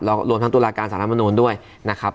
แล้วรวมทั้งตุลาการสหรัฐมนตรีด้วยนะครับ